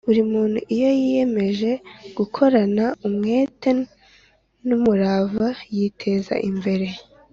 buri muntu iyo yiyemeje gukorana umwete n'umurava yiteza imbere